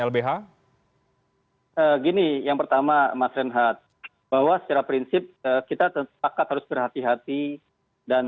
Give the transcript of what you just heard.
lbh hai begini yang pertama masrenhat bahwa secara prinsip kita tetap akat harus berhati hati dan